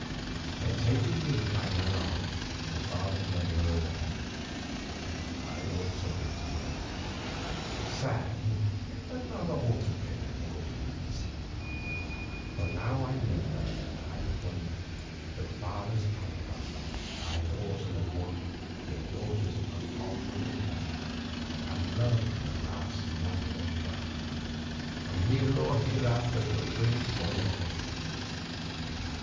Then taking Lily by the arm her father led her away. I also went away—sad, but not altogether ill pleased. For now I knew that if I had won the father's anger, I had also won the daughter's unalterable love, and love lasts longer than wrath, and here or hereafter will win its way at length.